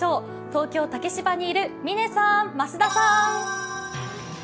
東京・竹芝にいる嶺さん、増田さん。